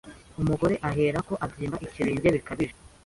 umugore ahera ko abyimba ikirenge bikabije